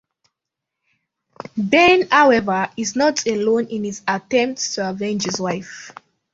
Ben, however, is not alone in his attempts to avenge his wife.